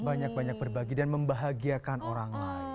banyak banyak berbagi dan membahagiakan orang lain